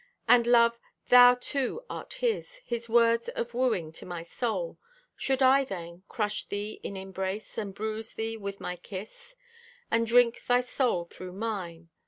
And, Love, thou too art His, His words of wooing to my soul. Should I, then, crush thee in embrace, And bruise thee with my kiss, And drink thy soul through mine?